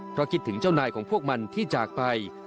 เพราะคิดถึงเจ้านายของพวกมันที่จากไป